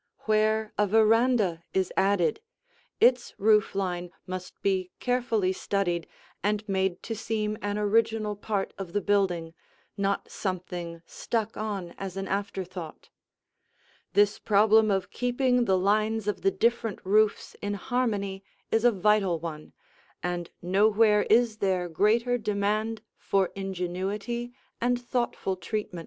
Where a veranda is added, its roof line must be carefully studied and made to seem an original part of the building, not something stuck on as an afterthought. This problem of keeping the lines of the different roofs in harmony is a vital one, and nowhere is there greater demand for ingenuity and thoughtful treatment.